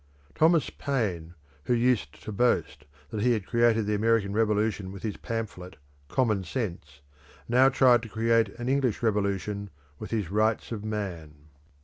Thomas Paine, who used to boast that he had created the American Revolution with his pamphlet, "Common Sense," now tried to create an English Revolution with his "Rights of Man."